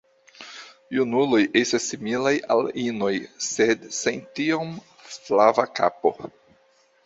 Junuloj estas similaj al inoj, sed sen tiom flava kapo.